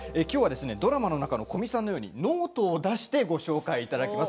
ドラマの中の古見さんのようにノートを出してご紹介いただきます。